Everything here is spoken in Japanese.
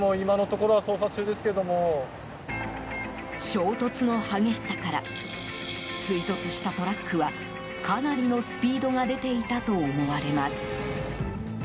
衝突の激しさから追突したトラックはかなりのスピードが出ていたと思われます。